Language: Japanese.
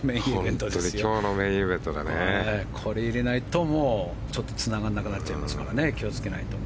これを入れないとちょっとつながらなくなっちゃいますから気をつけないと。